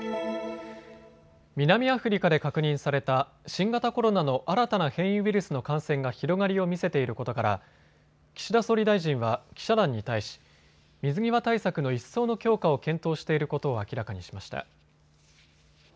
南アフリカで確認された新型コロナの新たな変異ウイルスの感染が広がりを見せていることから岸田総理大臣は記者団に対し、水際対策の一層の強化を検討していることを明らかにしました。